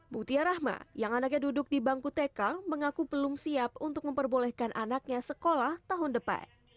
mutia rahma yang anaknya duduk di bangku tk mengaku belum siap untuk memperbolehkan anaknya sekolah tahun depan